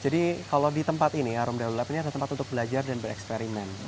jadi kalau di tempat ini ya arom darul lab ini ada tempat untuk belajar dan bereksperimen